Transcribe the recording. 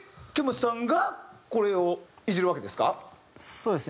そうですね。